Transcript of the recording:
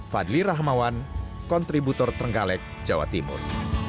fadli rahmawan kontributor trenggalek jawa timur